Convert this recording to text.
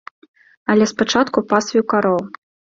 Але спачатку пасвіў кароў.